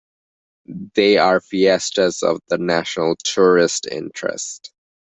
They are Fiestas of National Tourist Interest.